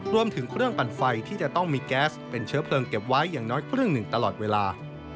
รวมถึงเครื่องปั่นไฟที่จะต้องมีแก๊สเป็นเชื้อเพลิงเก็บไว้อย่างน้อยครึ่งหนึ่งตลอดเวลา